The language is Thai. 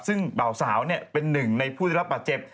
ซึ่งเบาสาวเป็นหนึ่งในผู้ได้รับบาดเจ็บ